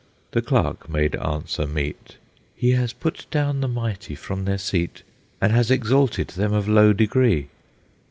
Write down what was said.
The clerk made answer meet, "He has put down the mighty from their seat, And has exalted them of low degree."